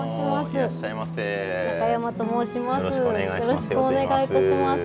よろしくお願いします。